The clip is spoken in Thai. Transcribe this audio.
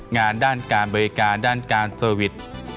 งานด้านการบริการด้านการเซอร์วิส